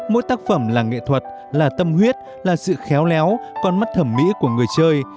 mỗi tác phẩm là nghệ thuật là tâm huyết là sự khéo léo con mắt thẩm mỹ của người chơi